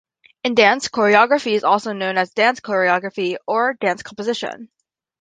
In dance, choreography is also known as dance choreography or "dance composition".